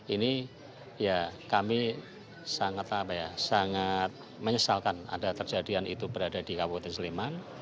ini ya kami sangat menyesalkan ada terjadian itu berada di kabupaten sleman